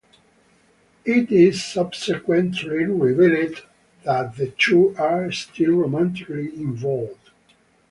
It is subsequently revealed that the two are still romantically involved.